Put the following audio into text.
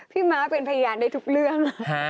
พี่ม้าเป็นพยานในทุกเรื่อง